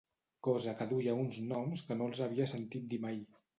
Cosa que duia uns noms que no els havia sentit dir mai